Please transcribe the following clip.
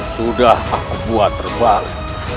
sudah aku buat terbang